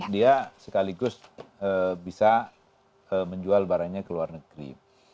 dia sekaligus bisa menjual barangnya ke luar negeri